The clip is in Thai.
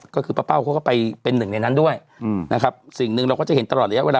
ก็คือป้าเป้าเขาก็ไปเป็นหนึ่งในนั้นด้วยนะครับสิ่งหนึ่งเราก็จะเห็นตลอดระยะเวลา